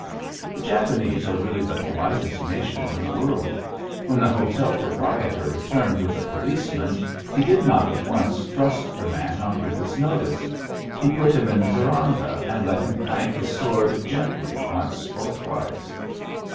'' The Japanese are really the politest nation in the world. When the hotel proprietor returned with a policeman he did not at once thrust the man on Griffiths' notice. He put him in the verandah and let him clank his sword gently once or twice.